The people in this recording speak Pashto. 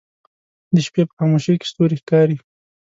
د شپې په خاموشۍ کې ستوری ښکاري